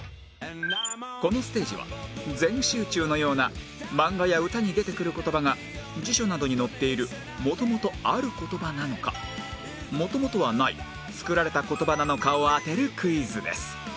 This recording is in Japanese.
このステージは「全集中」のようなマンガや歌に出てくる言葉が辞書などに載っている元々ある言葉なのか元々はない作られた言葉なのかを当てるクイズです